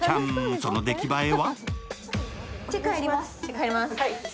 その出来ばえは？